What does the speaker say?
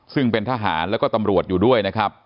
ซึ่งเป็นทหารแล้วก็ตำรวจอยู่ด้วยนะครับ